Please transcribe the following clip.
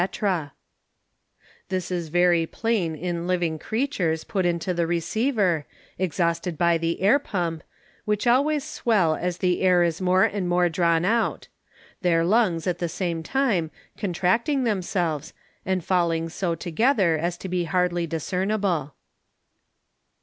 _ This is very plain in living Creatures put into the Receiver, exhausted by the Air Pump, which always swell as the Air is more and more drawn out; their Lungs at the same time contracting themselves, and falling so together as to be hardly discernible.